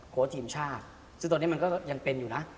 ทีมชาติซึ่งตอนนี้มันก็ยังเป็นอยู่นะ